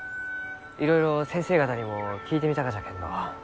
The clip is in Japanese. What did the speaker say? いろいろ先生方にも聞いてみたがじゃけんど